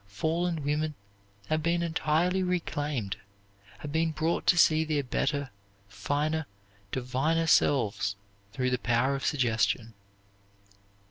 Fallen women have been entirely reclaimed, have been brought to see their better, finer, diviner selves through the power of suggestion.